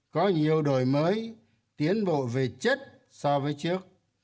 có nhiều đổi mới tiến bộ về chất so với trước